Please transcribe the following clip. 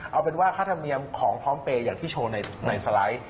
เอาเป็นว่าค่าธรรมเนียมของพร้อมเปย์อย่างที่โชว์ในสไลด์